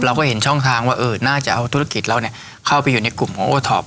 เราก็เห็นช่องทางว่าน่าจะเอาธุรกิจเราเข้าไปอยู่ในกลุ่มของโอท็อป